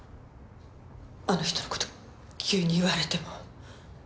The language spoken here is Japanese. あの人の事急に言われても。